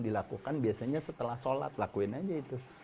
dilakukan biasanya setelah sholat lakuin aja itu